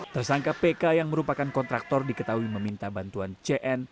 tersangka pk yang merupakan kontraktor diketahui meminta bantuan cn